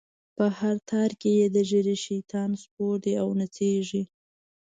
په هر تار کی یی د ږیری، شیطان سپور دی او نڅیږی